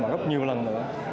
mà rất nhiều lần nữa